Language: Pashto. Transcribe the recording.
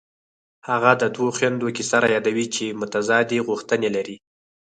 هغه د دوو خویندو کیسه رایادوي چې متضادې غوښتنې لري